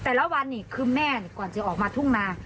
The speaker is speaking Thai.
แต่ละวันไหมก็จะออกมาทุ่งหนา